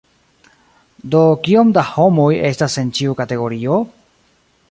Do kiom da homoj estas en ĉiu kategorio?